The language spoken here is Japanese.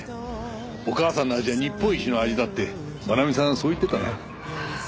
お母さんの味は日本一の味だって愛美さんそう言ってたね。